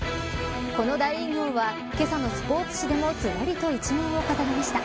この大偉業はけさのスポーツ紙でもずらりと一面を飾りました。